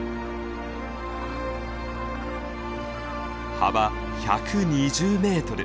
幅１２０メートル。